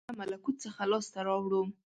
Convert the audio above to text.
• موږ فضیلت له ملکوت څخه لاسته راوړو.